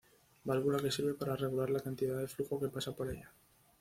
Válvula que sirve para regular la cantidad de flujo que pasa por ella.